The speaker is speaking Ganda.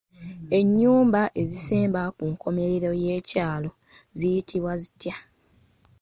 Enyumba ezisemba ku nkomerero y'ekyalo ziyitibwa zitya?